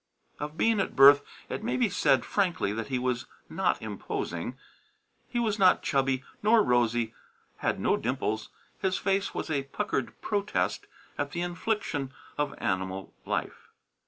Of Bean at birth, it may be said frankly that he was not imposing. He was not chubby nor rosy; had no dimples. His face was a puckered protest at the infliction of animal life.